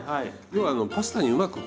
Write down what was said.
要はパスタにうまく